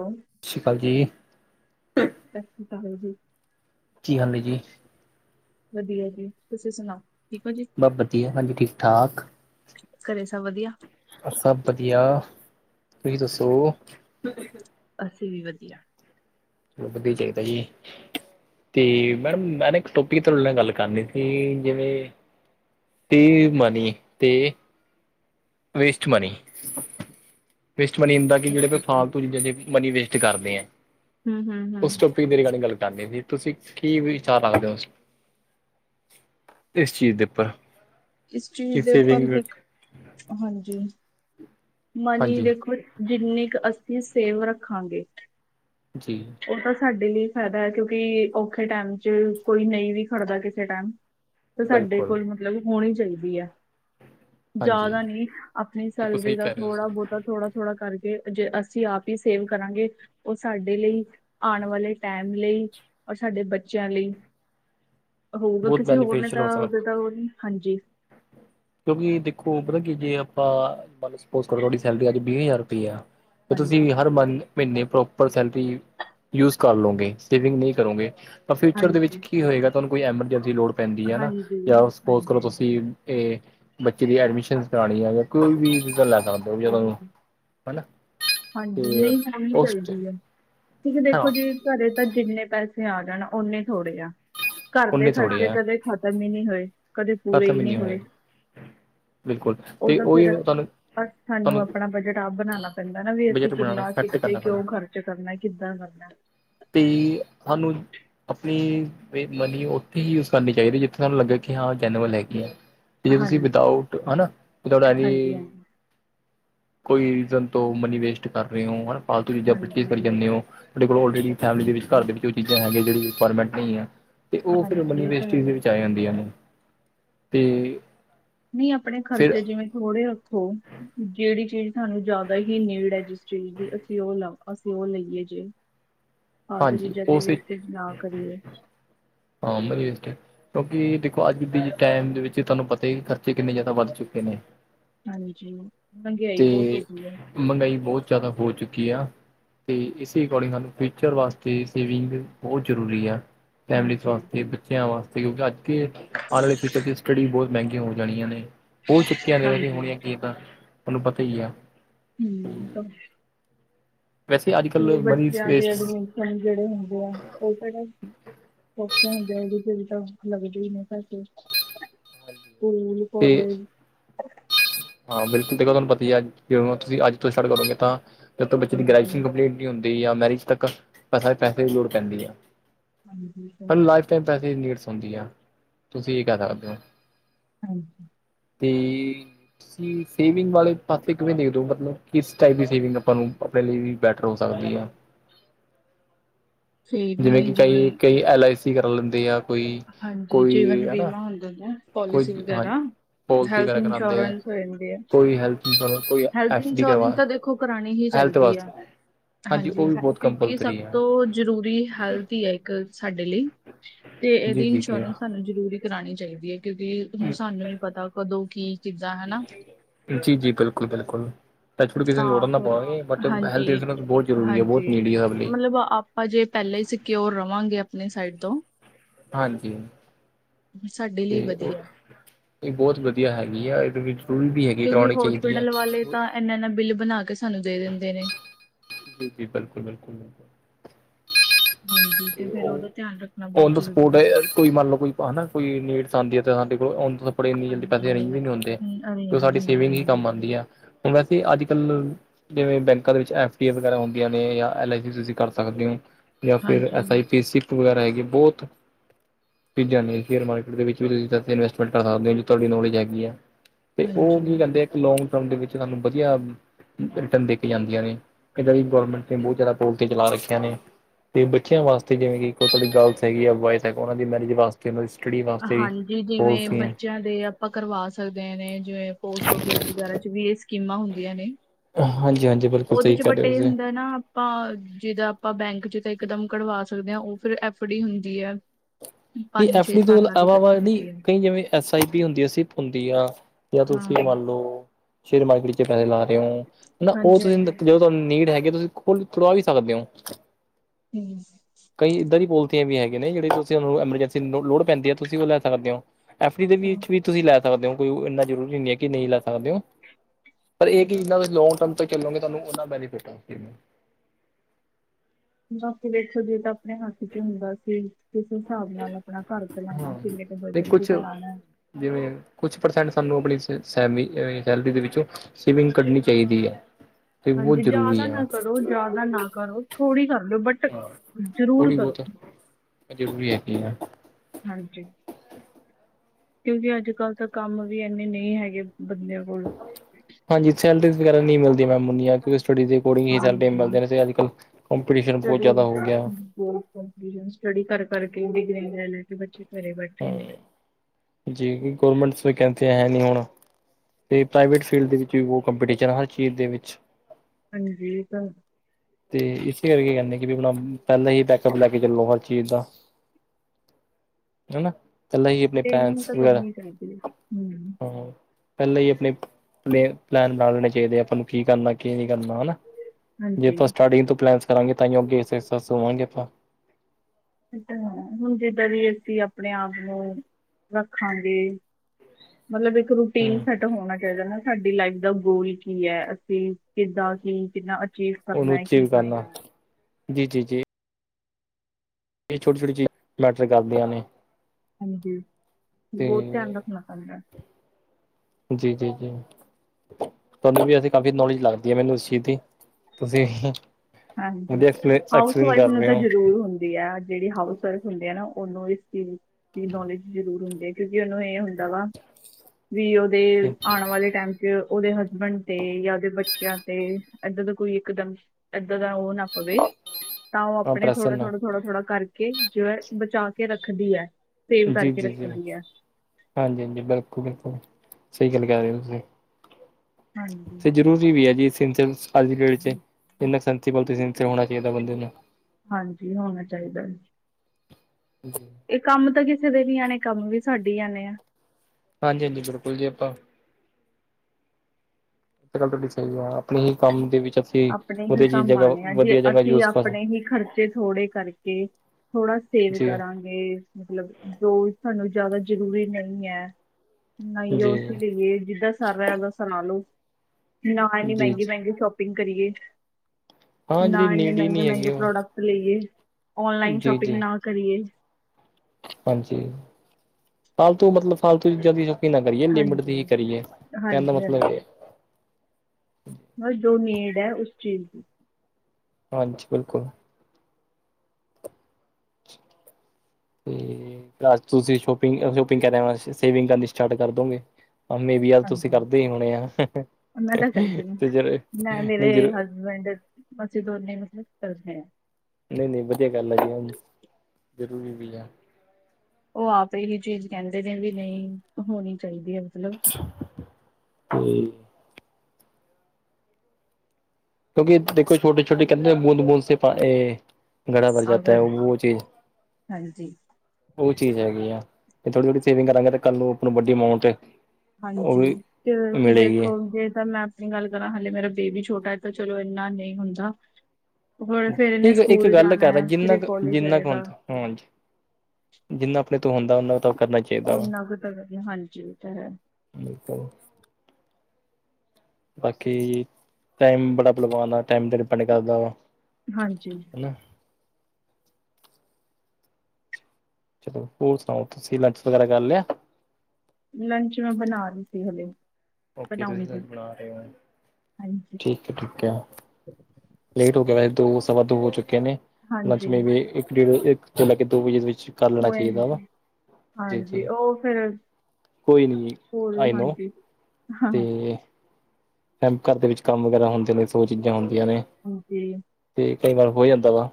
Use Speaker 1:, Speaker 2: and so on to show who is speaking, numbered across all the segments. Speaker 1: ਹੂੰ।
Speaker 2: ਅੱਛਾ ਜੀ
Speaker 1: ਸਤਿ ਸ਼੍ਰੀ ਅਕਾਲ ਜੀ
Speaker 2: ਕੀ ਹਾਲ ਨੇ ਜੀ
Speaker 1: ਵਧੀਆ ਜੀ, ਤੁਸੀਂ ਸੁਣਾਓ ਠੀਕ ਓ ਜੀ
Speaker 2: ਬਸ ਵਧੀਆ ਜੀ ਠੀਕ ਠਾਕ
Speaker 1: ਘਰੇ ਸਭ ਵਧੀਆ?
Speaker 2: ਸਭ ਵਧੀਆ ਤੁਸੀ ਦੱਸੋ
Speaker 1: ਅਸੀਂ ਵੀ ਵਧੀਆ
Speaker 2: ਵਧੀਆ ਚਾਹੀਦਾ ਜੀ। ਤੇ ਮੈਡਮ ਮੈਂ ਨਾ ਇੱਕ ਟੋਪਿਕ ਤੁਹਾਡੇ ਨਾਲ ਗੱਲ ਕਰਨੀ ਸੀ। ਜਿਵੇਂ, ਤੇ ਮਨੀ ਤੇ ਵੇਸਟ ਮਨੀ ਵੇਸਟ ਮਨੀ ਇਦਾ ਕਿ ਜਿਹੜੇ
Speaker 1: ਅੱਛਾ।
Speaker 2: ਫਾਲਤੂ ਚੀਜ਼ਾਂ ਚ ਮਨੀ ਵੇਸਟ ਕਰਦੇ ਹੈ
Speaker 1: ਹਮ ਹਮ ਹਮ
Speaker 2: ਦੀ ਰਿਕਾਰਡਿੰਗ ਗੱਲ ਕਰਦੇ ਸੀ। ਤੁਸੀਂ ਕੀ ਵਿਚਾਰ ਰੱਖਦੇ ਹੋ, ਇਸ ਚੀਜ਼ ਦੇ ਉੱਪਰ
Speaker 1: ਕਿਸ
Speaker 2: ਕਿ
Speaker 1: ਚੀਜ਼ ਦੇ ਉੱਪਰ
Speaker 2: ਸੇਵਿੰਗ
Speaker 1: ਦੇਖ ਹਾਂਜੀ ਮਨੀ
Speaker 2: ਹਾਂਜੀ
Speaker 1: ਦੇਖੋ ਜਿੰਨੀ ਕੁ ਅਸੀਂ ਸੇਵ ਰੱਖਾਂਗੇ
Speaker 2: ਜੀ
Speaker 1: ਉਹ ਤਾਂ ਸਾਡੇ ਲਈ ਫਾਇਦਾ ਹੈ, ਕਿਉਂਕਿ ਔਖੇ ਟਾਈਮ ਚ ਕੋਈ ਨਹੀਂ ਵੀ ਖੜਦਾ ਕਿਸੇ ਟਾਈਮ ਤਾਂ ਸਾਡੇ
Speaker 2: ਬਿਲਕੁਲ
Speaker 1: ਕੋਲ ਮਤਲਬ ਹੋਣੀ ਚਾਹੀਦੀ ਹੈ।
Speaker 2: ਹਾਂਜੀ
Speaker 1: ਜ਼ਿਆਦਾ ਨਹੀਂ ਆਪਣੀ
Speaker 2: ਬਿਲਕੁਲ
Speaker 1: ਸੈਲਰੀ
Speaker 2: ਸਹੀ
Speaker 1: ਦਾ
Speaker 2: ਕਹਿ ਰਹੇ ਹੋ
Speaker 1: ਥੋੜਾ ਬਹੁਤ ਥੋੜਾ ਥੋੜਾ ਕਰਕੇ ਜੇ ਅਸੀਂ ਆਪ ਹੀ ਸੇਵ ਕਰਾਂਗੇ ਉਹ ਸਾਡੇ ਲਈ ਆਉਣ ਵਾਲੇ ਟਾਈਮ ਲਈ ਔਰ ਸਾਡੇ ਬੱਚਿਆਂ ਲਈ ਹੋਊਗਾ
Speaker 2: ਬਹੁਤ
Speaker 1: ਕਿਸੇ ਹੋਰ ਨੇ
Speaker 2: ਬੈਨੀਫਿਸ਼ਅਲ ਹੋ
Speaker 1: ਤਾਂ
Speaker 2: ਸਕਦਾ
Speaker 1: ਉਦੇ ਤਾਂ ਉਹ ਨੀ ਹਾਂਜੀ
Speaker 2: [inaudible] ਕਿਉਂਕਿ ਦੇਖੋ ਪਤਾ ਕੀ ਜੇ ਆਪਾਂ ਮਸਪੋਜ ਕਰੋ ਤੁਹਾਡੀ ਸੈਲਰੀ ਅੱਜ ਵੀਹ ਹਜ਼ਾਰ ਰੁਪਈ ਆ ਤੁਸੀਂ
Speaker 1: ਹਾਂਜੀ
Speaker 2: ਵੀ ਹਰ ਮਹੀਨੇ ਪ੍ਰੋਪਰ ਸੈਲਰੀ ਯੂਜ ਕਰ ਲਉਗੇ ਸੇਵਿੰਗ ਨਹੀਂ ਕਰੋਂਗੇ ਤਾਂ ਫਿਊਚਰ ਦੇ ਵਿੱਚ
Speaker 1: ਹਾਂਜੀ
Speaker 2: ਕੀ ਹੋਏਗਾ ਤੁਹਾਨੂੰ ਕੋਈ ਐਮਰਜੈਂਸੀ ਲੋੜ ਪੈਂਦੀ ਹੈ ਨਾ
Speaker 1: ਹਾਂਜੀ
Speaker 2: ਜਾਂ ਸਪੋਜ ਕਰੋ
Speaker 1: ਹਾਂਜੀ
Speaker 2: ਤੁਸੀਂ ਇਹ ਬੱਚੇ ਦੀ ਐਡਮਿਸ਼ਨ ਕਰਾਣੀ ਹੈ ਜਾਂ ਕੋਈ ਵੀ ਗੱਲਾਂ ਕਰਦਾ ਤੇ
Speaker 1: ਹਾਂਜੀ ਨਹੀਂ ਹੋਣੀ
Speaker 2: ਉਸ
Speaker 1: ਚੱਲਦੀ ਹੈ। ਠੀਕ
Speaker 2: ਹਾਂ
Speaker 1: ਦੇਖੋ ਜੀ ਘਰੇ ਤਾਂ ਜਿੰਨੇ ਪੈਸੇ ਆ ਜਾਣ ਓਨੇ ਥੋੜ੍ਹੇ ਆ ਘਰ ਦੇ
Speaker 2: ਉਨੇ ਥੋੜੇ
Speaker 1: ਖ਼ਰਚੇ
Speaker 2: ਆ
Speaker 1: ਕਦੇ ਖਤਮ ਹੀ ਨਹੀਂ ਹੋਏ ਕਦੇ ਪੂਰੇ ਹੀ ਨਹੀਂ ਹੋਏ।
Speaker 2: ਬਿਲਕੁਲ
Speaker 1: ਉਹ
Speaker 2: ਤੇ
Speaker 1: ਤਾਂ
Speaker 2: ਉਹੀ
Speaker 1: ਫਿਰ
Speaker 2: ਤੁਹਾਨੂੰ।
Speaker 1: ਅਸ ਸਾਨੂੰ
Speaker 2: ਤੁਹਾਨੂੰ
Speaker 1: ਆਪਣਾ ਬਜਟ ਆਪ ਬਣਾਉਣਾ ਪੈਂਦਾ ਨਾ ਵੀ। ਅਸੀਂ
Speaker 2: ਬਜਟ ਬਣਾਉਣਾ
Speaker 1: ਕਿੰਨਾ
Speaker 2: ਸੈੱਟ
Speaker 1: ਕਿੱਥੇ
Speaker 2: ਕਰਨਾ ਪੈਣਾ
Speaker 1: ਕਿਉਂ ਖਰਚ ਕਰਨਾ ਕਿੱਦਾਂ ਕਰਨਾ।
Speaker 2: ਅਤੇ ਸਾਨੂੰ ਆਪਣੀ। ਮਨੀ ਉੱਥੇ ਹੀ ਯੂਜ ਕਰਨੀ ਚਾਹੀਦੀ ਹੈ। ਜਿੱਥੇ ਤੁਹਾਨੂੰ ਲੱਗਿਆ ਕਿ ਹਾਂ ਜੈਨਉਣ ਹੈਗੀ ਹੈ। ਜੇ ਤੁਸੀਂ
Speaker 1: ਹਾਂਜੀ
Speaker 2: ਵਿਦਊਟ ਹਨਾ ਵਿਦ
Speaker 1: ਹਾਂਜੀ
Speaker 2: ਐਨੀ। ਕੋਈ ਰੀਜ਼ਨ ਤੋਂ ਮਨੀ ਵੇਸਟ ਕਰ ਰਹੇ ਹੋ ਹਨਾ ਫਾਲਤੂ ਚੀਜ਼ਾਂ
Speaker 1: ਹਾਂਜੀ
Speaker 2: ਪਰਚੇਸ ਕਰੀ
Speaker 1: ਹਾਂਜੀ
Speaker 2: ਜਾਂਦੇ ਹੋ। ਆਪੇ ਕੋਲ ਔਲਰੇਡੀ ਫੈਮਿਲੀ ਦੇ ਵਿੱਚ ਘਰ ਦੇ ਵਿੱਚ ਉਹ ਚੀਜ਼ਾਂ ਹੈਗੀਆਂ ਜਿਹੜੀ ਰਿਕੁਆਇਰਮੈਂਟ ਨਹੀਂ ਹੈ। ਤੇ ਉਹ ਫਿਰ
Speaker 1: ਹਾਂਜੀ
Speaker 2: ਮਨੀ
Speaker 1: ਇਹ ਤਾਂ ਹੈ
Speaker 2: ਵੇਸਟਿੰਗ ਦੇ ਵਿੱਚ। ਚਾ ਜਾਂਦੀਆਂ ਨੇ ਅਤੇ।
Speaker 1: ਨਹੀਂ ਆਪਣੇ ਖਰਚੇ ਜਿਵੇਂ ਥੋੜ੍ਹੇ ਰੱਖੋ। ਜਿਹੜੀ ਚੀਜ਼ ਸਾਨੂੰ ਜਿਆਦਾ ਹੀ ਨੀਡ ਹੈ ਜਿਸ ਚੀਜ਼ ਦੀ ਅਸੀਂ ਉਹ ਅਸੀਂ ਉਹ ਲਈਏ ਜੇ। ਫਾਲਤੂ
Speaker 2: ਹਾਂਜੀ
Speaker 1: ਚੀਜ਼ਾਂ ਤੇ
Speaker 2: ਉਸ
Speaker 1: ਵੇਸਟਜ ਨਾ ਕਰੀਏ।
Speaker 2: [inaudible] ਕਿਉਂਕਿ ਦੇਖੋ ਅੱਜ ਦੇ ਟਾਈਮ ਦੇ ਵਿੱਚ ਤੁਹਾਨੂੰ ਪਤਾ ਹੀ ਖਰਚੇ ਕਿੰਨੇ ਜ਼ਿਆਦਾ ਵੱਧ ਚੁੱਕੇ ਨੇ।
Speaker 1: ਹਾਂਜੀ ਮਹਿੰਗਿਆਾਈ
Speaker 2: ਤੇ
Speaker 1: ਬਹੁਤ ਹੋ ਗਈ ਹੈ।
Speaker 2: ਮਹਿੰਗਾਈ ਬਹੁਤ ਜ਼ਿਆਦਾ ਹੋ ਚੁੱਕੀ ਆ। ਅਤੇ ਇਸੇ ਅਕੋਡਿੰਗ ਸਾਨੂੰ ਫਿਊਚਰ ਵਾਸਤੇ ਸੇਵਿੰਗ ਬਹੁਤ ਜ਼ਰੂਰੀ ਆ। ਫੈਮਲੀ
Speaker 1: ਹਾਂਜੀ
Speaker 2: ਵਾਸਤੇ। ਬੱਚਿਆਂ ਵਾਸਤੇ ਕਿਉਂਕਿ ਅੱਜ ਆਉਣ ਵਾਲੇ ਪਿਚਰ ਚ ਸਟੱਡੀ ਬਹੁਤ ਮਹਿੰਗੀਆਂ ਹੋ ਜਾਣੀਆਂ ਨੇ। ਹੋ ਚੁੱਕਿਆ ਨੇ
Speaker 1: ਹਾਂਜੀ
Speaker 2: ਹੋਣੀਆਂ ਕੀਦਾਂ, ਤੋਨੂੰ ਪਤਾ ਈ ਯਾ।
Speaker 1: ਹੂੰ
Speaker 2: ਵੈਸੇ ਅੱਜ ਕੱਲ੍ਹ
Speaker 1: [unintelligible]
Speaker 2: ਮਨੀ
Speaker 1: ਬੱਚੇਆਂ ਦੇ
Speaker 2: ਵੇਸਟ
Speaker 1: ਐਡਮਿਸ਼ਨ ਜੇੜੇ ਹੁੰਗੇ ਆ, ਓ ਕੇੜਾ ਸੋਖੇ ਹੁੰਦੇ [unintelligible] ਤੇ ਤਾਂ ਲੱਗਦੇ ਈ ਨੇ ਪੈਸੇ। ਸਕੂਲ
Speaker 2: ਤੇ
Speaker 1: ਕੋਲੇਜ
Speaker 2: [unintelligible] ਤਾਂ ਜਦ ਤੱਕ ਬੱਚੇ ਦੀ
Speaker 1: ਹਾਂਜੀ
Speaker 2: ਗ੍ਰੈਜੂਏਸ਼ਨ ਕੰਪਲੀਟ ਹੁੰਦੀ ਯਾ ਮੈਰਿਜ ਤੱਕ ਪੈਸ, ਪੈਸੇ ਦੀ ਲੋੜ ਪੈਂਦੀ ਆ,
Speaker 1: ਹਾਂਜੀ ਸਰ
Speaker 2: ਲਾਈਫ [unintelligible] ਪੈਸੇ ਦੀ ਨੀਡਸ ਹੁੰਦੀ ਆ, ਤੁਸੀ ਏ ਕੈ ਸਕਦੇ ਹੋ।
Speaker 1: ਹਾਂਜੀ।
Speaker 2: ਤੇ [unintelligible] ਸੇਵਿੰਗ ਵਾਲੇ ਪਾਸੇ ਕਿਵੇਂ ਦੇਦੁ ਮਤਲਬ ਕਿਸ ਟਾਈਪ ਦੀ ਸੇਵਿੰਗ ਆਪਾ ਨੂੰ ਆਪਨੇ ਲਈ ਵੀ ਬੈਟਰ ਹੋ ਸਕਦੀ ਯਾ ਜਿਵੇਂ ਕਿ ਕਈ, ਕਈ ਐਲ ਆਈ ਸੀ ਕਰ ਲੇਂਦੇ ਆ। ਕੋਈ
Speaker 1: ਹਾਂਜੀ, ਜੀਵਨ
Speaker 2: ਕੋਈ ਹਨਾ
Speaker 1: ਬੀਮਾ [unintelligible]
Speaker 2: ਕੋਈ
Speaker 1: ਪੋਲਸੀ
Speaker 2: ਹਾਂਜੀ
Speaker 1: ਵਗੈਰਾ
Speaker 2: ਪੋਲਸੀ
Speaker 1: ਹੈਲਥ
Speaker 2: ਵਗੈਰਾ ਕਰਾਉਂਦੇ ਨੇ
Speaker 1: ਇੰਸ਼ੋਰੈਂਸ ਹੋ ਜਾਂਦੇ ਆ,
Speaker 2: ਕੋਈ ਹੈਲਥ ਇੰਸ਼ੋਰੈਂਸ ਕੋਈ
Speaker 1: ਹੈਲਥ
Speaker 2: ਐਫ ਡੀ
Speaker 1: ਇੰਸ਼ੋਰੈਂਸ
Speaker 2: ਕਰਵਾ
Speaker 1: ਦਾ ਦੇ ਕੋ ਕਰਾਣੀ ਹੀ
Speaker 2: ਹੈਲਥ
Speaker 1: ਚਾਈਦੀ ਆ
Speaker 2: ਵਾਸਤੇ ਉਹ
Speaker 1: ਹਾਂਜੀ,
Speaker 2: ਵੀ ਬਹੁਤ
Speaker 1: ਕਯੁਂਕਿ ਸਭ
Speaker 2: ਕੰਪਲਸਰੀ ਆ
Speaker 1: ਤੋ ਜ਼ਰੂਰੀ ਹੈਲਥ ਹੀ ਐ, ਇੱਕ ਸਾਡੇ ਲਈ ਤੇ
Speaker 2: ਜੀ
Speaker 1: ਏਦੀ
Speaker 2: ਜੀ
Speaker 1: ਇੰਸ਼ੋਰੈਂਸ
Speaker 2: ਜੀ
Speaker 1: ਸਾਨੂੰ ਜਰੂਰੀ ਕਰਾਨੀ ਚਾਈਦੀ ਐ, ਕਯੋਂਕਿ ਤੁਹੀ ਸਾਨੂੰ ਨੀ ਪਤਾ ਕਦੋਂ ਕੀ ਕਿੱਦਾਂ ਹਨਾ।
Speaker 2: ਜੀ ਜੀ, ਬਿਲਕੁਲ ਬਿਲਕੁਲ [unintelligible] ਕਿਸੇ ਨੂੰ ਲੋੜ
Speaker 1: ਤਾਂ
Speaker 2: ਨਾ
Speaker 1: ਫਿਰ
Speaker 2: ਪਾਵਾਂਗੇ ਬਟ
Speaker 1: ਹਾਂਜੀ
Speaker 2: ਹੈਲਥ ਇੰਸ਼ੋਰੈਂਸ ਬੋਤ ਜ਼ਰੂਰੀ ਐ ਬੋਤ ਨੀਡੀ ਐ [unintelligible]
Speaker 1: [unintelligible] ਹਜੇ ਪੈਲਾ‌ ਈ ਸਿਕਓਰ ਰਵਾਂਗੇ ਆਪਨੇ ਸਾਈਡ ਤੋ।
Speaker 2: ਹਾਂਜੀ।
Speaker 1: ਸਾਡੇ ਲੀ ਵਦੀਆ।
Speaker 2: ਏ ਬੋਤ ਵਦੀਆ ਹੈਗੀ ਆ ਏਦੇ ਵਿੱਚ ਕੋਈ ਵੀ ਹੈਗੀ
Speaker 1: ਕਿਉਂਕਿ
Speaker 2: ਕਰੋਣੀ ਚਾਈਦੀ ਐ।
Speaker 1: ਹੋਸਪਿਟਲ ਵਾਲੇ ਤਾਂ ਏਨਾ, ਏਨਾ ਬਿੱਲ ਬਨਾ ਕੇ ਸਾਨੂੰ ਦੇ ਦਿੰਦੇ ਨੇ।
Speaker 2: [unintelligible]
Speaker 1: ਹਾਂਜੀ, ਤੇ ਫੇਰ ਓਦਾ ਧੇਆਨ ਰੱਖਨਾ
Speaker 2: ਔਨ
Speaker 1: ਬੋਤ
Speaker 2: ਦਾ ਸਪੋਟ
Speaker 1: ਜ਼ਰੂਰੀ
Speaker 2: ਕੋਈ ਮੰਨਲੋ ਕੋਈ ਪਾਨਾ ਕੋਈ ਨੀਡਸ ਆਂਦੀ ਏ ਤੇ ਸਾਡੇ ਕੋਲ [unintelligible] ਬੜੇ ਪਿਆਰ ਦੇ ਪੈਸੇ ਅਰੇਜਂ ਵੀ
Speaker 1: ਹਾਂਜੀ
Speaker 2: ਨੀ ਹੁੰਦੇ, ਤੇ
Speaker 1: ਅਰੇਂਜ
Speaker 2: ਸਾਡੀ
Speaker 1: ਨਹੀਂ ਹੁੰਦੇ
Speaker 2: ਸੇਵਿੰਗ ਹੀ
Speaker 1: ਹਾਂਜੀ
Speaker 2: ਕਾਮ ਆਂਦੀ ਐ, ਹੁਨ ਵੈਸੇ ਆੱਜ-ਕਾੱਲ ਜਿਵੇਂ ਬੈਂਕਾਂ ਦੇ ਵਿੱਚ ਐਫ ਡੀਆ ਵਗੈਰਾ ਹੁੰਦੀਆਂ ਨੇ ਯਾਂ ਐਲ ਆਈ ਸੀ ਤੁਸੀ ਕਾੱਰ ਸਕਦੇ ਓ ਫੇਰ
Speaker 1: ਹਾਂਜੀ
Speaker 2: ਐੱਸ ਆਈ ਪੀ ਸੀਪ ਵਗੈਰਾ ਹੈਗੀ ਬੋਤ। ਚੀਜ਼ਾਂ ਨੇ ਸ਼ੇਅਰ ਮਾਰਕੀਟ ਦੇ ਵਿੱਚ ਵੀ ਤੁਸੀ ਇਨਵੈਸਮੈਂਟ ਕਾੱਰ ਸਕਦੇ ਓ, ਜੇ ਤੁਆਡੀ ਨੋਲੇਜ ਹੈਗੀ ਐਂ। ਤੇ ਓ
Speaker 1: ਹਾਂਜੀ
Speaker 2: ਕੀ ਕੈਂਦੇ ਏਕ ਲੋਂਗ ਟਰਮ ਦੇ ਵਿੱਚ ਸਾਨੂੰ ਬਦੀਆ ਰਿਟਰਨ ਦੇ ਕੇ ਜਾਂਦੀਆਂ ਨੇ, ਏਨਾਂ ਦੀ ਗੋਰਮੈਂਟ ਨੇ ਬੋਤ ਜੈਦਾ ਬੋਲ ਕੇ ਚਲਾ ਰੱਖਆਂ ਨੇ। ਤੇ ਬੱਚੇਆਂ ਵਾਸਤੇ ਜਿਵੇਂ ਕੀ ਤੋਡੀ ਗੱਲਸ ਹੈਗੀ ਯਾ ਬੋਏਫ ਹੈਗਾ ਓਨਾਂ ਦੀ ਮੈਰਿਜ ਵਾਸਤੇ। ਤੇ ਓਨਾ ਦੀ ਸਟੱਡੀ ਵਾਸਤੇ ਪੋਲਸੀਆ
Speaker 1: [unintelligible] ਆਪਾ ਕਰਵਾ ਸਕਦੇ ਨੇ ਜਿਵੇਂ ਪੋਸਟ ਓਫਿਸ ਵਗੈਰਾ ਚ ਵੀ ਏ ਸਕੀਮਾਂ ਹੁੰਦੀਆਂ ਨੇ।
Speaker 2: ਹਾਂਜੀ ਹਾਂਜੀ ਬਿਲਕੁਲ
Speaker 1: ਓਦੇ
Speaker 2: ਸਹੀ
Speaker 1: ਚ
Speaker 2: ਕਰ
Speaker 1: ਬਟ
Speaker 2: ਰਹੇ ਹੋ
Speaker 1: ਏ
Speaker 2: ਤੁਸੀਂ
Speaker 1: ਹੁੰਦਾ ਨਾ ਆਪਾਂ ਜਿਦਾਂ ਆਪਾਂ ਬੈਂਕ ਚ ਤੇ ਏਕਦਮ ਕਢਵਾ ਸਕਦੇ ਆਂ, ਓ ਫੇਰ ਐਫ ਡੀ ਹੁੰਦੀ ਐ।
Speaker 2: [unintelligible]
Speaker 1: [unintelligible]
Speaker 2: ਏਵਾਵਾ ਡੀ
Speaker 1: ਹੁੰਦੀ ਹੈ।
Speaker 2: ਕਈ ਜਿਵੇਂ ਐਸ ਆਈ ਪੀ ਹੁੰਦੀ ਸੀਪ ਹੁੰਦੀ ਆ। ਯਾ
Speaker 1: ਹਾਂ।
Speaker 2: ਤੁਸੀ ਮੰਨ ਲੋ, ਸ਼ੇਅਰ ਮਾਰਕੀਟ ਚ ਪੈਹੇ ਲਾ ਰਹੇ ਓ, ਨਾ ਓ
Speaker 1: ਹਾਂਜੀ
Speaker 2: ਤੁਸੀ
Speaker 1: ਹਾਂਜੀ।
Speaker 2: [unintelligible] ਤੋਆਨੂੰ ਨੀਡ ਹੈਗੀ ਤੁਸੀ ਖੋਲ ਖਵਾ ਵੀ ਸਕਦੇ ਓ‌।
Speaker 1: ਹੂੰ।
Speaker 2: ਕਈ ਏਧਾਂ ਈ ਬੋਲਕੇ ਵੀ ਹੈਗੇ ਨੇ ਜੇੜੇ ਤੁਸੀ ਓਨੂੰ ਐਮਰਜੈਂਸੀ ਲੋੜ ਪੈਂਦੀ ਐ, ਤੁਸੀ ਓ ਲੈ ਸਕਦੇ ਓ। ਐਫ ਡੀ ਦੇ
Speaker 1: ਹੂੰ।
Speaker 2: ਵਿੱਚ ਵੀ ਤੁਸੀ ਲੈ ਸਕਦੇ ਓ, ਕੋਈ ਏਨਾ ਜ਼ਰੂਰੀ ਨੀ ਐ ਕਿ ਨਈ ਲੈ ਸਕਦੇ ਓ। ਪਰ ਏ
Speaker 1: ਹਾਂਜੀ
Speaker 2: ਕਈਦਾ ਵਾ ਲੋਂਗ ਟਰਮ ਤੱਕ ਚੱਲੋਗੇ ਤਾਨੂੰ ਓਨਾਂ ਬੈਨੀਫਿਟ ਐ।
Speaker 1: ਬਾੱਸ ਵੇਖੋ ਜੇ ਤਾ ਆਪਨੇ ਹੱਥ ਚ ਹੁੰਦਾ [unintelligible] ਕਿਸ ਹਿਸਾਬ ਨਾਲ ਆਪਣਾ ਘਰ ਚਲਾਉਣਾ,
Speaker 2: ਹਾਂ
Speaker 1: ਕਿਵੇਂ
Speaker 2: ਨਹੀਂ
Speaker 1: ਐਮਰਜੈਂਸੀ
Speaker 2: ਕੁਛ
Speaker 1: ਚਲਾਉਣਾ।
Speaker 2: ਜਿਵੇਂ, ਕੁਛ ਪਰਸੈਂਟ ਸਾਨੂੰ ਆਪਣੀ ਸੈਲਰੀ ਦੇ ਵਿੱਚੋਂ। ਸੇਵਿੰਗ ਕਡਨੀ ਚਾਹੀਦੀ ਹੈ, ਏ ਬਹੁਤ
Speaker 1: ਹਾਂਜੀ
Speaker 2: ਜ਼ਰੂਰੀ
Speaker 1: ਜ਼ਿਆਦਾ ਨਾ
Speaker 2: ਹੈ।
Speaker 1: ਕਰੋ ਜ਼ਿਆਦਾ ਨਾ ਕਰੋ, ਥੋੜ੍ਹੀ ਕਰ ਲੋ, ਬਟ।
Speaker 2: ਹਾਂ,
Speaker 1: ਜ਼ਰੂਰ
Speaker 2: ਥੋੜੀ
Speaker 1: ਕਰੋ
Speaker 2: ਬੋਤ ਜ਼ਰੂਰੀ ਹੈਗੀ ਆ।
Speaker 1: ਹਾਂਜੀ, ਕਿਉਂਕਿ ਅੱਜ ਕੱਲ੍ਹ ਤਾਂ ਕੰਮ ਵੀ ਇੰਨੇ ਨਹੀਂ ਹੈਗੇ ਬੰਦਿਆਂ ਕੋਲ। ਬੋਲੋ।
Speaker 2: ਹਾਂਜੀ, ਸੈਲਰੀਜ਼ ਵਗੈਰਾ ਨਹੀਂ ਮਿਲਦੀ। ਤੇ ਮੈਂ ਮੰਨਿਆ ਕਿ ਸਟੱਡੀ ਦੇ ਅਕੋਰਡਿੰਗ ਹੀ ਸੈਲਰੀਆ
Speaker 1: ਹਾਂਜੀ।
Speaker 2: ਮਿਲਦੇ ਨੇ, ਅੱਜ ਕੱਲ ਕੰਪੀਟੀਸ਼ਨ ਬਹੁਤ ਜ਼ਿਆਦਾ ਹੋ ਗਿਆ।
Speaker 1: ਉਹ ਕਨਫੂਜ਼ਨ, ਸਟੱਡੀ ਕਰ ਕਰਕੇ ਡਿਗਰੀਆਂ ਲੈ ਲੈ ਕੇ ਬੱਚੇ। ਘਰੇ ਬੈਠੇ ਨੇ
Speaker 2: ਹਾ ਜੀ ਗੌਰਮੈਂਟਸ ਵਕੈਸਿਆਂ ਐ ਨੀ ਹੁਣ। ਅਤੇ ਪ੍ਰਾਈਵੇਟ ਫੀਲਡ ਦੇ ਵਿੱਚ ਵੀ ਬਹੁਤ ਕੰਪੀਟੀਸ਼ਨ, ਹਰ ਚੀਜ਼ ਦੇ ਵਿੱਚ।
Speaker 1: ਮਨਜੀਤ
Speaker 2: ਤੇ ਇਸੇ ਕਰਕੇ ਕੀ ਕਹਿੰਦੇ ਵੀ ਆਪਣਾ, ਪਹਿਲਾਂ ਹੀ ਬੈਕਅਪ ਲੈ ਕੇ ਚੱਲੋ ਹਰ ਚੀਜ਼ ਦਾ। ਹੈਨਾ, ਪਹਿਲਾ ਹੀ ਆਪਣੇ
Speaker 1: ਸੇਵਿੰਗ
Speaker 2: ਪਲੈਨਸ
Speaker 1: ਤਾਂ
Speaker 2: ਵਗੈਰਾ,
Speaker 1: ਕਰਨੀ ਚਾਹੀਦੀ ਹੈ।
Speaker 2: ਹਾ।
Speaker 1: ਹਮ
Speaker 2: ਪਹਿਲਾਂ ਹੀ ਆਪਣੇ ਆਪਣੇ ਪਲੈਨ ਬਣਾ ਲੈਣੇ ਚਾਹੀਦੇ ਆ, ਆਪਾਂ ਨੂੰ ਕੀ ਕਰਨਾ ਕੀ ਨਹੀਂ ਕਰਨਾ ਹੈਨਾ। ਜੇ
Speaker 1: ਹਾਂਜੀ
Speaker 2: ਆਪਾਂ ਸਟਾਰਟਿੰਗ ਤੋਂ ਪਲੈਨ ਕਰਾਂਗੇ, ਤਾਂ ਅੱਗੇ ਸਕਸੈਸ ਹੋਵੇਗਾ ਆਪਾਂ।
Speaker 1: ਹੁਣ ਜਿੱਦਾਂ ਦੀ ਅਸੀਂ ਆਪਣੇ ਆਪ ਨੂੰ ਰੱਖਾਂਗੇ। ਮਤਲਬ ਇੱਕ ਰੂਟੀਨ
Speaker 2: ਹੂੰ
Speaker 1: ਸੈਟ ਹੋਣਾ ਚਾਹੀਦਾ ਨਾ, ਸਾਡੀ ਲਾਈਫ ਦਾ ਗੋਲ ਕੀ ਹੈ ਅਸੀਂ ਕਿੱਦਾਂ ਕੀ ਕਿਨਾ। ਚੀਜ਼
Speaker 2: ਉਹਨੂੰ
Speaker 1: ਕਰਨਾ ਹੈ, ਕੀ
Speaker 2: ਅਚੀਵ
Speaker 1: ਕਰਨਾ ਹੈ।
Speaker 2: ਜੀ ਜੀ ਜੀ। ਇਹ ਛੋਟੀ ਛੋਟੀ ਚੀਜ਼, ਮੈਟਰ ਕਰਦੀਆਂ ਨੇ।
Speaker 1: ਹਾਂਜੀ,
Speaker 2: ਤੇ
Speaker 1: ਬਹੁਤ ਧਿਆਨ ਰੱਖਣਾ ਪੈਦਾ ਹੈ।
Speaker 2: ਜੀ ਜੀ ਜੀ। ਤੁਹਾਨੂੰ ਵੀ ਅਸੀਂ ਕਾਫੀ ਨੌਲੇਜ ਲੱਗਦੀ ਹੈ, ਮੈਨੂੰ ਉਸ ਚੀਜ਼ ਦੀ ਤੁਸੀਂ।
Speaker 1: ਹਾਂਜੀ,
Speaker 2: ਵਧੀਆ ਐਕਸਪਲੇ
Speaker 1: ਹਾਊਸ
Speaker 2: ਐਕਸਪਲੇਨ
Speaker 1: ਵਾਈਫ
Speaker 2: ਕਰ
Speaker 1: ਨੂੰ
Speaker 2: ਰਹੇ
Speaker 1: ਤਾਂ
Speaker 2: ਹੋ।
Speaker 1: ਜ਼ਰੂਰ ਹੁੰਦੀ ਹੈ ਜਿਹੜੀ ਹਾਊਸ ਗਰ੍ਲ੍ਸ ਹੁੰਦੀਆ ਨਾ, ਉਹਨੂੰ ਇਸ ਚੀ ਦੀ ਨੋਲੇਜ ਜ਼ਰੂਰ ਹੁੰਦੀ ਐ, ਕਿਉਂਕਿ ਨੂੰ ਇਹ ਹੁੰਦਾ ਵਾ ਵੀ ਉਹਦੇ ਆਉਣ ਵਾਲੇ ਟਾਈਮ ਚ ਉਹਦੇ ਹਸਬੈਂਡ ਤੇ, ਜਾਂ ਉਹਦੇ ਬੱਚਿਆਂ ਤੇ, ਏਦਾਂ ਦਾ ਕੋਈ ਇਕਦਮ, ਏਦਾਂ ਦਾ ਉਹ ਨਾ ਹੋਵੇ, ਤਾਂ ਉਹ
Speaker 2: ਹਾਂ
Speaker 1: ਆਪਣੇ
Speaker 2: ਪ੍ਰਸਨ
Speaker 1: ਥੋੜ੍ਹਾ ਥੋੜ੍ਹਾ
Speaker 2: ਨਾਲ
Speaker 1: ਥੋੜਾ ਥੋੜਾ ਕਰਕੇ ਜੋ ਬਚਾ ਕੇ ਰੱਖਦੀ ਹੈ। ਸੇਵ
Speaker 2: ਜੀ
Speaker 1: ਕਰਕੇ
Speaker 2: ਜੀ ਜੀ।
Speaker 1: ਰੱਖਦੀ ਹੈ
Speaker 2: ਹਾਂਜੀ ਹਾਂਜੀ ਬਿਲਕੁਲ ਬਿਲਕੁਲ, ਸਹੀ ਗੱਲ ਕਹਿ ਰਹੇ ਹੋ ਤੁਸੀਂ।
Speaker 1: ਹਾਂਜੀ
Speaker 2: ਤੇ ਜਰੂਰੀ ਵੀ ਹੈ ਜੀ ਸਿੰ ਹਾਂਜੀ ਵੀਰਜੀ, ਇੰਨਾ ਸੇਨਸੀਬਲ ਤੇ ਹੋਣਾ ਚਾਹੀਦਾ ਬੰਦੇ ਨੂੰ।
Speaker 1: ਹਾਂਜੀ ਹੋਣਾ ਚਾਹੀਦਾ ਹੈ।
Speaker 2: ਜੀ [unintelligible]
Speaker 1: ਇਹ ਕੰਮ ਤਾਂ ਕਿਸੇ ਦੇ ਵੀ ਆਣੇ, ਕੰਮ ਵੀ ਸਾਡੇ ਆਣੇ ਆ।
Speaker 2: ਹਾਂਜੀ ਹਾਂਜੀ ਬਿਲਕੁਲ ਜੀ ਆਪਾਂ। ਗਲ ਤੁਹਾਡੀ ਸਹੀ ਆ, ਆਪਣੇ ਹੀ ਕੰਮ ਦੇ ਵਿੱਚ ਅਸੀਂ
Speaker 1: ਆਪਣੇ ਹੀ
Speaker 2: ਵਧੀਆ ਚੀਜ਼
Speaker 1: ਕੰਮ
Speaker 2: ਜਗ੍ਹਾ
Speaker 1: ਆਉਣੇ ਆ, ਜੇ
Speaker 2: ਵਧੀਆ ਜਗ੍ਹਾ
Speaker 1: ਅਸੀਂ
Speaker 2: ਯੂਜ ਕਰ
Speaker 1: ਆਪਣੇ ਹੀ ਖਰਚੇ ਥੋੜ੍ਹੇ ਕਰਕੇ ਥੋੜਾ ਸੇਵ
Speaker 2: ਜੀ
Speaker 1: ਕਰਾਂਗੇ ਮਤਲਬ, ਜੋ ਸਾਨੂੰ ਜ਼ਿਆਦਾ ਜ਼ਰੂਰੀ ਨਹੀਂ ਹ। ਨਹੀਂ
Speaker 2: ਜੀ
Speaker 1: ਉਸ ਲਈ ਏ, ਜਿੱਦਾਂ ਸਾਰਿਆਂ ਨੂੰ ਸੁਣਾ ਲੋ, ਨਾ ਇਨੀ
Speaker 2: ਜੀ ਜੀ
Speaker 1: ਮਹਿੰਗੀ ਮਹਿੰਗੀ ਸ਼ੋਪ ਸ਼ੋਪੰਪਿੰਗ ਕਰੀਏ,
Speaker 2: ਹਾਂ ਜਿਹੜੀ
Speaker 1: ਨਾ ਇੰਨੇ
Speaker 2: ਨੀਡ ਹੀ
Speaker 1: ਮਹਿੰਗੇ
Speaker 2: ਨਹੀਂ ਹੈਗੀ
Speaker 1: ਮਹਿੰਗੇ
Speaker 2: ਉਹ
Speaker 1: ਪ੍ਰੋਡਕਟ ਲਈਏ, ਔਨਲਾਈਨ
Speaker 2: ਜੀ ਜੀ
Speaker 1: ਸ਼ੋਪਿੰਗ ਨਾ ਕਰੀਏ।
Speaker 2: ਹਾਂਜੀ ਫਾਲਤੂ, ਮਤਲਬ ਫਾਲਤੂ ਚੀਜ਼ਾਂ ਦੀ ਏ ਨਾ ਕਰੀਏ, ਲਿਮਿਟ ਦੀ ਹੀ
Speaker 1: ਹਾਂਜੀ
Speaker 2: ਕਰੀਏ, ਕਹਿੰਦਾ
Speaker 1: ਹਾਂਜੀ
Speaker 2: ਮਤਲਬ ਇਹ ਹੈ।
Speaker 1: ਹਾਂਜੀ ਬਸ ਜੋ ਨੀਡ ਹੈ, ਉਸ ਚੀਜ਼ ਦੀ।
Speaker 2: ਹਾਂਜੀ ਬਿਲਕੁਲ ਤੇ ਆਜ ਤੁਸੀਂ ਸ਼ੋਪਿੰਗ, ਸ਼ੋਪਿੰਗ ਕਰਨ ਵਾ ਸੇਵਿੰਗ ਕਰਨੀ ਸਟਾਰਟ ਕਰ ਦੋਗੇ। ਹਮੇਂ ਵੀ ਯਾਦ ਤੁਸੀਂ
Speaker 1: ਹਾਂਜੀ
Speaker 2: ਕਰਦੇ ਹੀ ਹੋਣੇ ਆ
Speaker 1: ਮੈਂ ਤਾਂ ਕਰਦੀ ਹਾਂ
Speaker 2: ਤੇ ਜ
Speaker 1: ਮੈਂ ਮੇਰੇ
Speaker 2: ਜ
Speaker 1: ਹਸਬੈਂਡ ਅਸੀਂ ਦੋਨੇ ਹੀ ਮਤਲਬ ਕਰ
Speaker 2: ਨਹੀਂ- ਨਹੀਂ ਵਧੀਆ ਗੱਲ ਹੈ ਜੀ ਹੁਣ ਜ਼ਰੂਰੀ ਵੀ ਆ
Speaker 1: ਉਹ ਆਪ ਇਹੀ ਚੀਜ਼ ਕਹਿੰਦੇ ਨੇ ਵੀ ਨਹੀਂ ਹੋਣੀ ਚਾਹੀਦੀ ਹੈ ਮਤਲਬ
Speaker 2: ਤੇ ਕਿਉਂਕਿ ਦੇਖੋ ਛੋਟੇ- ਛੋਟੇ ਕਹਿੰਦੇ ਨੇ ਬੂੰਦ -ਬੂੰਦ ਸ ਪਾ ਘੜ੍ਹਾ ਭਰ ਜਾਤਾ ਹੈ
Speaker 1: ਅਗਰ
Speaker 2: ਉਹ ਚੀਜ਼
Speaker 1: ਹਾਂਜੀ
Speaker 2: ਉਹ ਚੀਜ਼ ਹੈਗੀ ਆ, ਤੇ ਥੋੜੀ -ਥੋੜ੍ਹੀ ਸੇਵਿੰਗ ਕਰਾਂਗੇ ਤੇ ਕੱਲ ਨੂੰ ਆਪ ਨੂੰ ਵੱਡੀ ਅਮਾਊਟ
Speaker 1: ਹਾਂਜੀ, ਤੇ ਕੀ ਦੇਖੋ ਜੇ ਤਾਂ ਮੈਂ ਗੱਲ ਕਰਾਂ ਹਾਲੇ ਮੇਰਾ ਬੇਬੀ ਛੋਟਾ ਹੈ ਤਾਂ ਚਲੋ ਇੰਨਾ ਨਹੀਂ ਹੁੰਦਾ ਹੋਰ ਫਿਰ ਇਹਨੇ
Speaker 2: ਇੱਕ ਇੱਕ
Speaker 1: ਸਕੂਲ
Speaker 2: ਗੱਲ
Speaker 1: ਜਾਣਾ
Speaker 2: ਕਰ
Speaker 1: ਹੈ, ਫਿਰ
Speaker 2: ਜਿੰਨਾ
Speaker 1: ਇਹ
Speaker 2: ਕੁ
Speaker 1: ਕਾਲਜ
Speaker 2: ਜਿੰਨਾ ਕੁ
Speaker 1: ਜਾਏਗਾ
Speaker 2: ਹੁੰਦਾ ਹਾਂਜੀ, ਜਿੰਨਾ ਆਪਣੇ ਤੋਂ ਹੁੰਦਾ ਉਹਨਾਂ ਤੋਂ
Speaker 1: ਉਹਨਾਂ ਕੁ ਤਾਂ ਵ ਹਾਂਜੀ ਤਾਂ ਹੈ
Speaker 2: ਬਿਲਕੁਲ ਬਾਕੀ ਟਾਈਮ ਬੜਾ ਬਲਵਾਨ, ਟਾਈਮ ਤੇ ਡਿਪੈਂਡ ਕਰਦਾ ਵਾ
Speaker 1: ਹਾਂਜੀ
Speaker 2: ਨਾ ਚਲੋ, ਹੋਰ ਸੁਣਾਓ ਤੁਸੀਂ ਲੰਚ ਵਗੈਰਾ ਕਰ ਲਿਆ
Speaker 1: ਲੰਚ ਮੈਂ ਬਣਾ ਰਹੀ ਸੀ ਹਲੇ
Speaker 2: ਓਕੇ ਤੁਸੀਂ
Speaker 1: ਬਣਾਉਂਗੀ
Speaker 2: ਸਾਨੂੰ ਬਣਾ ਰਹੇ ਹੋ
Speaker 1: ਹਾਂਜੀ
Speaker 2: ਠੀਕ ਅੱਛਾ ਠੀਕ ਹੈ ਲੇਟ ਹੋ ਗਿਆ ਬ ਦੋ ਸਵਾ ਦੋ ਹੋ ਚੁੱਕੇ ਨੇ, ਲੰਚ
Speaker 1: ਹਾਂਜੀ
Speaker 2: ਮੇ ਇੱਕ ਡੇਢ ਤੋਂ ਲੈ ਕੇ ਦੋ ਵਜੇ ਵਿੱਚ ਕਰ ਲੈਣਾ
Speaker 1: ਹੋਇਆ
Speaker 2: ਚਾਹੀਦਾ ਵਾ
Speaker 1: ਨੀ।
Speaker 2: ਜੀ -ਜੀ,
Speaker 1: ਹਾਂਜੀ ਉਹ ਫੇਰ
Speaker 2: ਕੋਈ ਨਹੀਂ
Speaker 1: ਹੋਰ
Speaker 2: ਆਈ ਨਓ
Speaker 1: ਹਾਂਜੀ ਹਾਂ
Speaker 2: ਤੇ ਘਰ ਦੇ ਵਿੱਚ ਕੰਮ ਵਗੈਰਾ ਹੁੰਦੇ ਨੇ ਸੌ ਚੀਜ਼ਾਂ ਹੁੰਦੀਆਂ ਨੇ
Speaker 1: ਹਾਂਜੀ
Speaker 2: ਤੇ ਕਈ ਵਾਰ ਹੋ ਜਾਂਦਾ ਵਾ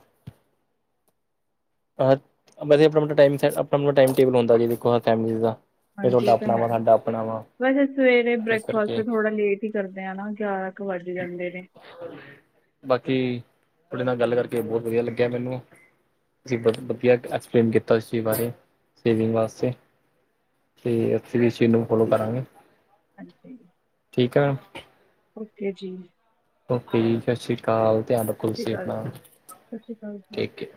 Speaker 2: ਸ ਆਪਣਾ ਟਾਈਮ ਆਪਣਾ ਟਾਈਮ ਟੇਬਲ ਹੁੰਦਾ ਜੇੋ ਦਾ ਫਿਰ
Speaker 1: ਹਾਂਜੀ
Speaker 2: ਤੁਹਾਡਾ
Speaker 1: ਇਹ ਤਾਂ
Speaker 2: ਆਪਣਾ
Speaker 1: ਹੈ,
Speaker 2: ਵਾ ਸਾਡਾ ਆਪਣਾ ਵਾ
Speaker 1: ਵੈਸੇ ਸਵੇਰੇ
Speaker 2: ਇਸ
Speaker 1: ਬ੍ਰੇਕਫਾਸਟ
Speaker 2: ਕਰਕੇ
Speaker 1: ਥੋੜਾ ਲੇਟ ਕੀ ਕਰਦੇ ਆ ਨਾ, ਗਿਆਰਾ ਕੁ ਵੱਜ ਜਾਂਦੇ ਨੇ
Speaker 2: ਬਾਕੀ ਤੁਹਾਡੇ ਨਾਲ ਗੱਲ ਕਰਕੇ ਬਹੁਤ ਵਧੀਆ ਲੱਗਿਆ ਮੈਨੂੰ ਤੁਸੀਂ ਵ ਵਧੀਆ ਐਕਸਪਲੇਨ ਕੀਤਾ ਇਸ ਚੀਜ਼ ਬਾਰੇ, ਸੇਵਿੰਗ ਵਾਸਤੇ ਤੇ, ਅਸੀ ਵੀ ਇਸ ਚੀਜ਼ ਨੂੰ ਫੋ਼ਲੋ ਕਰਾਂਗੇ,
Speaker 1: ਹਾਂਜੀ
Speaker 2: ਠੀਕ ਐ।
Speaker 1: ਓਕੇ ਜੀ।
Speaker 2: ਓਕੇ ਜੀ, ਸਤਿ ਸ੍ਰੀ ਅਕਾਲ ਧਿਆਨ ਰੱਖੋ
Speaker 1: ਸਤਿ ਸ਼੍ਰੀ
Speaker 2: ਤੁਸੀ
Speaker 1: ਅਕਾਲ
Speaker 2: ਅਪਨਾ,
Speaker 1: ਸਤਿ ਸ਼੍ਰੀ ਅਕਾਲ
Speaker 2: ਠੀਕੇ।